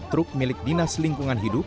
truk milik dinas lingkungan hidup